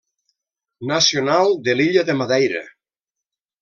Nacional de l'illa de Madeira.